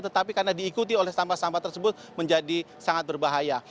tetapi karena diikuti oleh sampah sampah tersebut menjadi sangat berbahaya